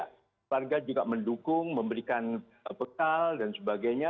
keluarga juga mendukung memberikan bekal dan sebagainya